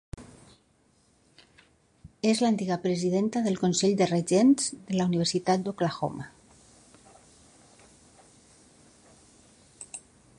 És l'antiga presidenta del consell de regents de la Universitat d'Oklahoma.